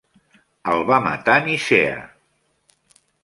El va matar Nicea.